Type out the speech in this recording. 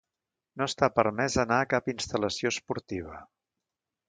No està permès anar a cap instal·lació esportiva.